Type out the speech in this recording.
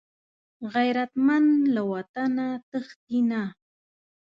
غیرتمند له وطنه تښتي نه